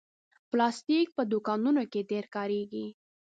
پلاستيک په دوکانونو کې ډېر کارېږي.